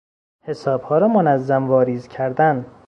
حسابها را منظم واریز کردن